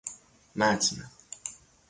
متن